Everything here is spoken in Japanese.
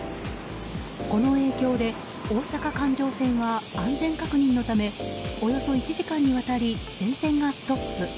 この影響で、大阪環状線は安全確認のためおよそ１時間にわたり全線がストップ。